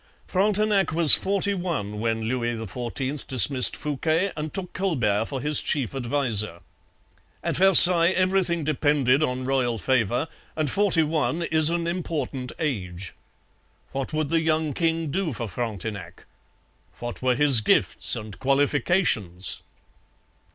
Frontenac was forty one when Louis XIV dismissed Fouquet and took Colbert for his chief adviser. At Versailles everything depended on royal favour, and forty one is an important age. What would the young king do for Frontenac? What were his gifts and qualifications?